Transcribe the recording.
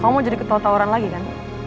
kamu mau jadi ketawuran lagi kan